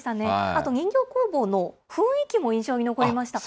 あと人形工房の雰囲気も印象に残りました。